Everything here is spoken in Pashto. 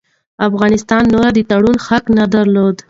افغانستان نور د تړون حق نه درلود.